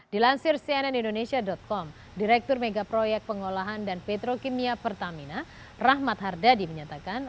dilansir cnn indonesia com direktur mega proyek pengolahan dan petrokimia pertamina rahmat hardadi menyatakan